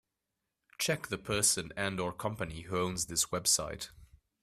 Check the person and/or company who owns this website.